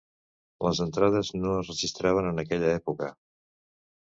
Les entrades no es registraven en aquella època.